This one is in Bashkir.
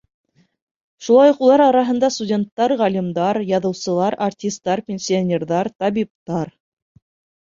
Шулай уҡ улар араһында студенттар, ғалимдар, яҙыусылар, артистар, пенсионерҙар, табиптар...